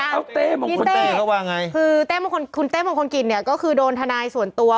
คุณเต้มของคุณเต้เข้าว่าอย่างไรคุณเต้มของคนกินก็คือโดนธนายส่วนตัว